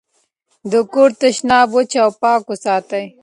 د کور تشناب وچ او پاک وساتئ.